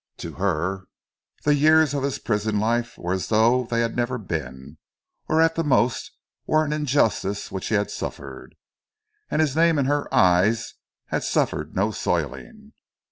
To her, the years of his prison life were as though they had never been, or at the most were an injustice which he had suffered, and his name in her eyes had suffered no soiling.